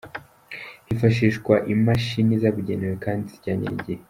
Hifashishwa Imashini zabugenewe kandi zijyanye n'igihe.